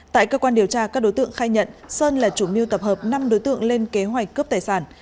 tại cơ quan điều tra các đối tượng khai nhận sơn là chủ mưu tập hợp năm đối tượng lên kế hoạch cướp tài sản